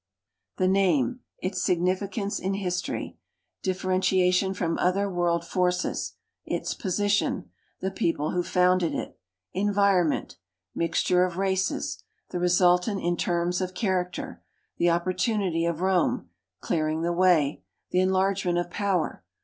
The name : its significaiu^e in history. Differentiation from other world forces. Its position. Tlie people who fonnded it. Environment. Mix ture of races. The resultant in terms of character. Tlie opportunity of Rome. Clearing the way. The enlargement of power.